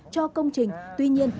cho công trình tuy nhiên